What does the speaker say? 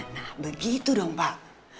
nah begitu dong pak